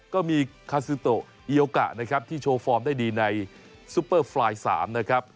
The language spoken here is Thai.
ก็มีคาซิโตเกียวกะนะครับที่โชว์ฟอร์มได้ดีในซุปเปอร์ไฟล์๓นะครับ